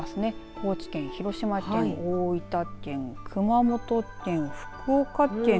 高知県、広島県、大分県熊本県、福岡県